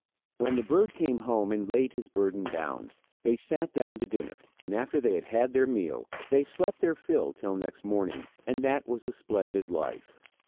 When the bird came home and laid his burden down, they sat down to dinner, and after they had had their meal, they slept their fill till next morning, and that was a splendid life.